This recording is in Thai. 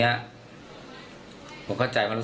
แต่ก็คิดว่าเป็นใครหรอก